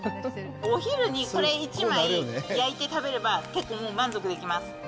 お昼にこれ１枚焼いて食べれば、結構もう、満足できます。